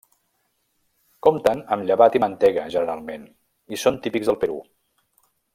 Compten amb llevat i mantega generalment i són típics del Perú.